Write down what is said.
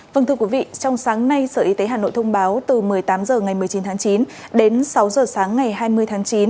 vâng thưa quý vị trong sáng nay sở y tế hà nội thông báo từ một mươi tám h ngày một mươi chín tháng chín đến sáu h sáng ngày hai mươi tháng chín